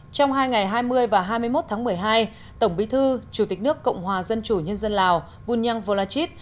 trong hai ngày hai mươi và hai mươi một tháng một mươi hai tổng bí thư chủ tịch nước cộng hòa dân chủ nhân dân lào bunyang volachit